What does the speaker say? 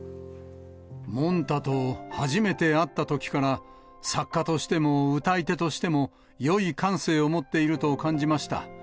もんたと初めて会ったときから、作家としても歌い手としても、よい感性を持っていると感じました。